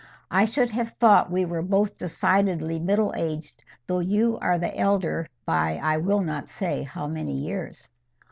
I should have thought we were both decidedly middle aged, though you are the elder by I will not say how many years."